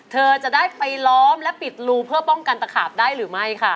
เธอจะได้ไปล้อมและปิดรูเพื่อป้องกันตะขาบได้หรือไม่ค่ะ